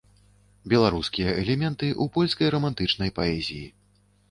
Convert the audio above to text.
Беларускія элементы ў польскай рамантычнай паэзіі.